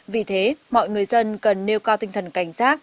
vì thế mọi người dân cần nêu cao tinh thần cảnh giác